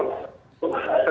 di kamar kemur